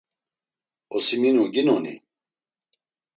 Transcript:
Osiminu ginoni?